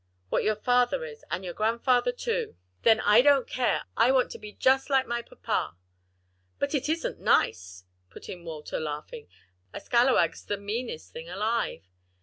"What your father is and your grandfather too." "Then I don't care; I want to be just like my papa." "But it isn't nice," put in Walter, laughing, "a scalawag's the meanest thing alive."